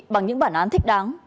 bằng những bản án thích đáng